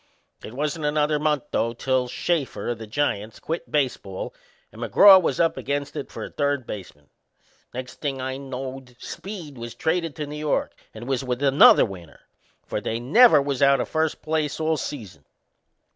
It wasn't another month, though, till Shafer, o' the Giants, quit baseball and McGraw was up against it for a third baseman. Next thing I knowed Speed was traded to New York and was with another winner for they never was out o' first place all season.